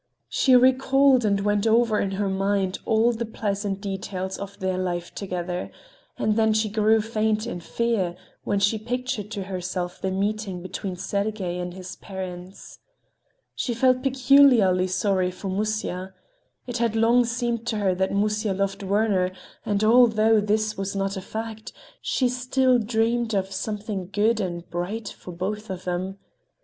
She recalled and went over in her mind all the pleasant details of their life together, and then she grew faint with fear when she pictured to herself the meeting between Sergey and his parents. She felt particularly sorry for Musya. It had long seemed to her that Musya loved Werner, and although this was not a fact, she still dreamed of something good and bright for both of them.